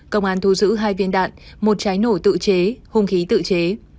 công an thu giữ hai viên đạn một trái nổ tự chế hung khí tự chế